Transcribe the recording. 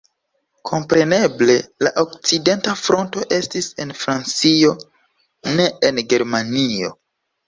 Kompreneble, la okcidenta fronto estis en Francio, ne en Germanio.